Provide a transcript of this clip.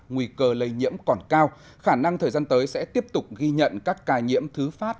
nguy cơ lây nhiễm còn cao khả năng thời gian tới sẽ tiếp tục ghi nhận các ca nhiễm thứ phát